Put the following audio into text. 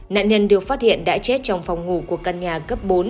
nạn nhân được phát hiện đã chết trong phòng ngủ của căn nhà cấp bốn